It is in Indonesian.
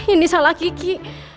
ini salah kiki